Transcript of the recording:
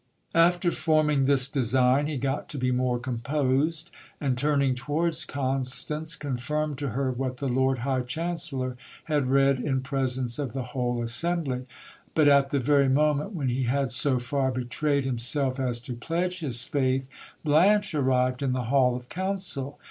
After forming this design, he got to be more composed ; and turning towards Constance, confirmed to her what the lord high chancellor had read in presence of the whole assembly. But, at the very moment when he had so far betrayed himself as to pledge his faith, Blanche arrived in the hall of council.